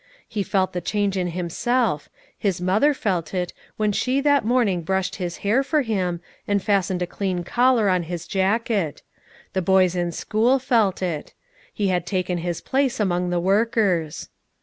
He felt the change in himself; his mother felt it, when she that morning brushed his hair for him, and fastened a clean collar on his jacket; the boys in school felt it. He had taken his place among the workers.